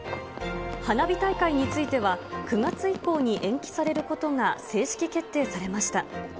花火大会については、９月以降に延期されることが正式決定されました。